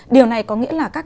điều này có nghĩa là các